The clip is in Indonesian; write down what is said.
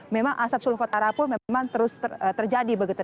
memang asap sulut utara pun memang terus terjadi begitu